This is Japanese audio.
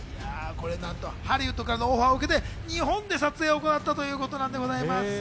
ハリウッドからのオファーを受けて日本で撮影を行ったということなんです。